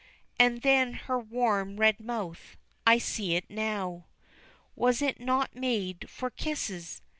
And then her warm red mouth I see it now Was it not made for kisses?